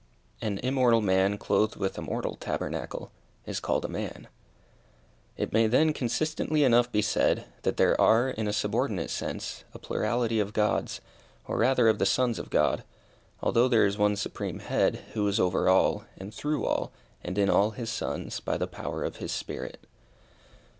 An immortal man, clothed with a mortal tabernacle, is called a man. It may then consistently enough be said, that there are, in a subordinate sense, a plurality of Gods, or rather of the sons of God; although there is one Supreme Head, who is over all, and through all, and in all His sons, by the power of His Spirit.